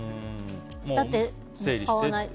だって、使わない。